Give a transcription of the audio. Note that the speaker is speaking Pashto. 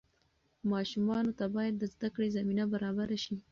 ماشومانو ته باید د زدهکړې زمینه برابره شي.